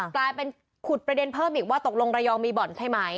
กลายเป็นขุดประเด็นเพิ่มอีกว่าตกลงระยองมีบ่อนใช่ไหม